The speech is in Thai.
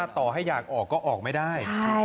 ต่อให้อยากออกก็ออกไม่ได้